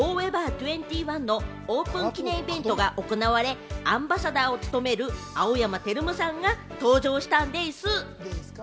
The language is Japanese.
２１のオープン記念イベントが行われ、アンバサダーを務める青山テルマさんが登場したんでぃす！